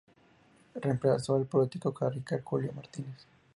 Reemplazó al político radical Julio Martínez.